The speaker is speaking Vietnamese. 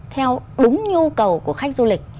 theo đúng nhu cầu của khách du lịch